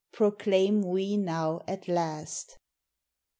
proclaim we now at last.